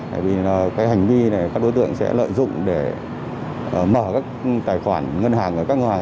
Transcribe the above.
tại vì cái hành vi này các đối tượng sẽ lợi dụng để mở các tài khoản ngân hàng